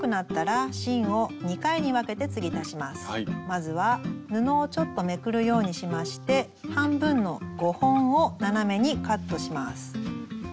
まずは布をちょっとめくるようにしまして半分の５本を斜めにカットします。